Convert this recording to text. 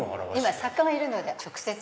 今作家がいるので直接。